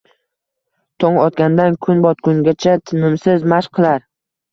tong otgandan kun botguncha tinimsiz mashq qilar